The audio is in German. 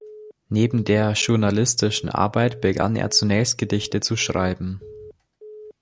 Neben der journalistischen Arbeit begann er zunächst, Gedichte zu schreiben.